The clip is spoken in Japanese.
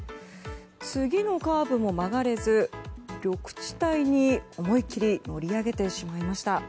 次のカーブも曲がれず緑地帯に思いきり乗り上げてしまいました。